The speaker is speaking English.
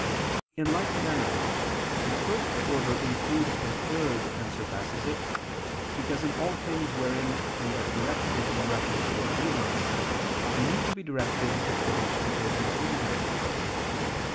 In like manner, the first order includes the third and surpasses it, because in all things wherein we are directed in reference to our neighbor, we need to be directed according to the order of reason.